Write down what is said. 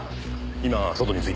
今外に着いた。